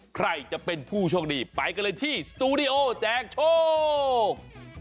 ใครจะเป็นผู้โชคดีไปกันเลยที่สตูดิโอแจกโชค